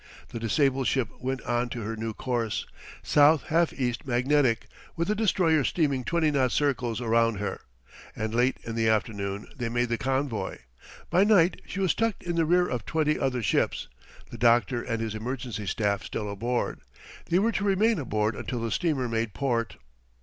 The disabled ship went on to her new course, south half east magnetic, with the destroyer steaming twenty knot circles around her. And late in the afternoon they made the convoy. By night she was tucked in the rear of twenty other ships, the doctor and his emergency staff still aboard. They were to remain aboard until the steamer made port.